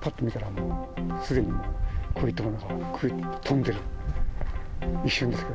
ぱっと見たら、すでに、こういったものが飛んでる、一瞬ですね。